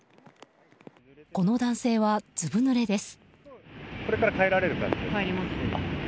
この男性はずぶぬれです。